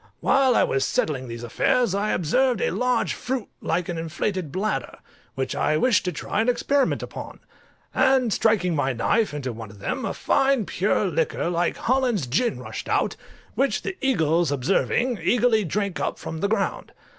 While I was settling these affairs I observed a large fruit like an inflated bladder, which I wished to try an experiment upon: and striking my knife into one of them, a fine pure liquor like Hollands gin rushed out, which the eagles observing, eagerly drank up from the ground.